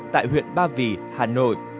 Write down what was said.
tại huyện ba vỉ hà nội